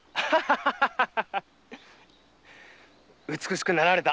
ハハハ美しくなられた。